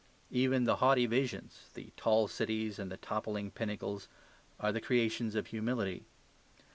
Even the haughty visions, the tall cities, and the toppling pinnacles are the creations of humility.